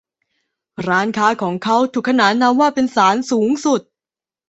ร้านค้าของเขาถูกขนานนามว่าเป็น ศาลสูงสุด